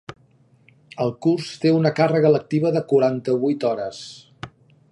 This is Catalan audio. El curs té una càrrega lectiva de quaranta-vuit hores.